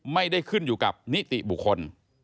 ไม่ได้ขึ้นอยู่กับนิติบุคคล